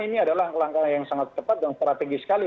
ini adalah langkah yang sangat cepat dan strategis sekali